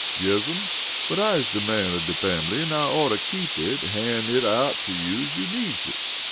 "Yes'm, but I is de man of de fambly an' I oughter keep it an' han' it out to you as you needs it."